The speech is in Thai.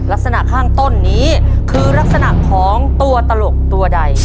ลักษณะข้างต้นนี้คือลักษณะของตัวตลกตัวใด